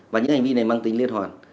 và những hành vi này mang tính liên hoàn